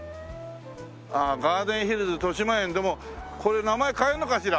「ガーデンヒルズ豊島園」でもこれ名前変えるのかしら？